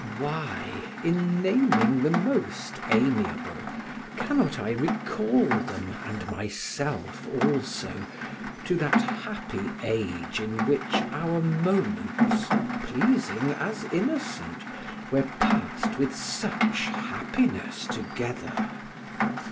Why, in naming the most amiable, cannot I recall them and myself also to that happy age in which our moments, pleasing as innocent, were passed with such happiness together?